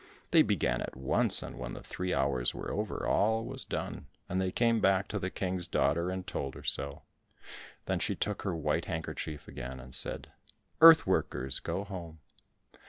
They began at once, and when the three hours were over, all was done, and they came back to the King's daughter and told her so. Then she took her white handkerchief again and said, "Earth workers, go home."